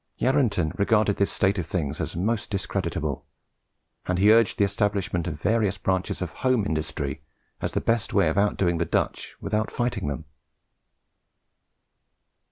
Yarranton regarded this state of things as most discreditable, and he urged the establishment of various branches of home industry as the best way of out doing the Dutch without fighting them.